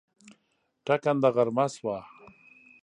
ټکنده غرمه شومه